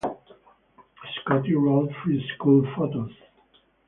Scottie Road Free School photos.